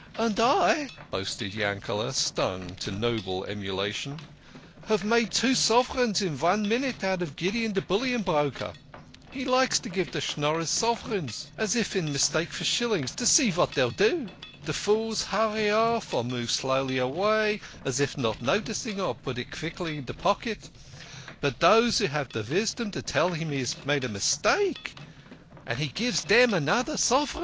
" And I," boasted Yankele', stung to noble emulation, " have made two sov'rans in von minute out of Gideon de bullion broker. He likes to give Schnorrers sov'rans, as if in mistake for shillings, to see vat dey'll do. De fools 76 THE KING OF SCHNORRERS. hurry off, or move slowly avay, as if not noticing, or put it quickly in de pocket. But dose who have visdom tell him he's made a mistake, and he gives dem anoder sov'ran.